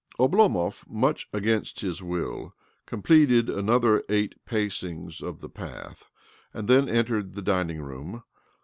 Oblomov, much against his will, complete another eight pacings of the path, and the entered the dining room.